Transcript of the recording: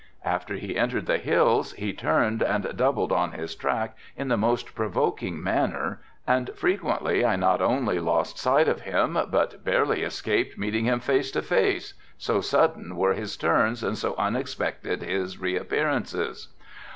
After he entered the hills he turned and doubled on his track in the most provoking manner and frequently I not only lost sight of him but barely escaped meeting him face to face, so sudden were his turns and so unexpected his re appearances.